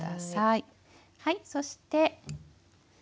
はいそして。